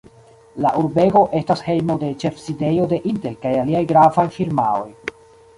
La urbego estas hejmo de ĉefsidejo de Intel kaj aliaj gravaj firmaoj.